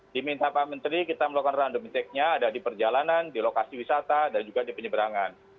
diminta pak menteri kita melakukan random check nya ada di perjalanan di lokasi wisata dan juga di penyeberangan